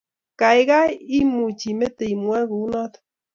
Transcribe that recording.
Gaigai, much imeete imwoe kunoto?